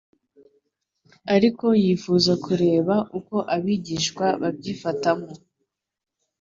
Ariko yifuza kureba uko abigishwa babyifatamo.